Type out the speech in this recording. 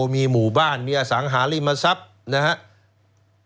มีหมู่บ้านมีอสังหาริมทรัพย์นะครับ